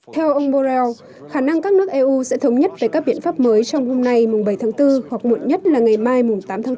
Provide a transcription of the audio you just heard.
theo ông borrell khả năng các nước eu sẽ thống nhất về các biện pháp mới trong hôm nay mùng bảy tháng bốn hoặc muộn nhất là ngày mai tám tháng bốn